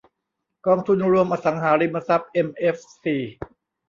กองทุนรวมอสังหาริมทรัพย์เอ็มเอฟซี